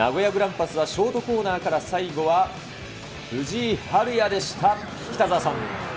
名古屋グランパスはショートコーナーから最後は藤井陽也でした。